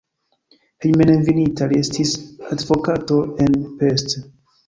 Hejmenveninta li estis advokato en Pest (urbo).